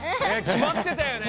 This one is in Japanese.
きまってたよね。